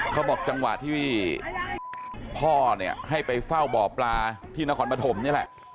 เขาบอกจังหวะที่พ่อเนี่ยให้ไปเฝ้าบ่อปลาที่นครปฐมนี่แหละ